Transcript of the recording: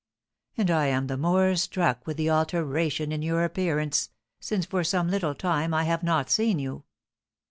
And I am the more struck with the alteration in your appearance, since for some little time I have not seen you.